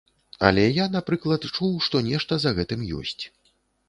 Але я, напрыклад, чуў, што нешта за гэтым ёсць.